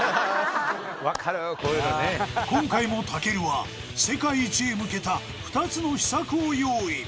今回も武尊は世界一へ向けた２つの秘策を用意